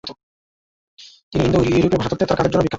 তিনি ইন্দো-ইউরোপীয় ভাষাতত্ত্বে তার কাজের জন্য বিখ্যাত।